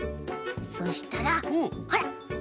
そしたらほら！